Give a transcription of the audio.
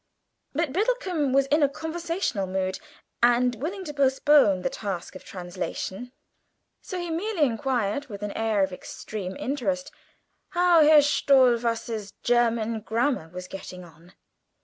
But Biddlecomb was in a conversational mood, and willing to postpone the task of translation, so he merely inquired, with an air of extreme interest, how Herr Stohwasser's German Grammar was getting on.